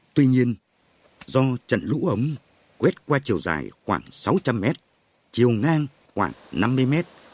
tuy nhiên do trận lũ ống quét qua chiều dài khoảng sáu trăm linh mét chiều ngang khoảng năm mươi mét